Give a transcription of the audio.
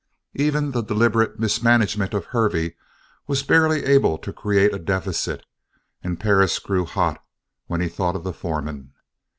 Even the deliberate mismanagement of Hervey was barely able to create a deficit and Perris grew hot when he thought of the foreman.